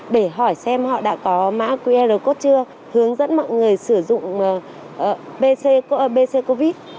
để hỏi xem họ đã có mã qr code chưa hướng dẫn mọi người sử dụng pc covid